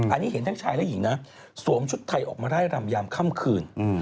อันนี้เห็นทั้งชายและหญิงนะสวมชุดไทยออกมาไล่รำยามค่ำคืน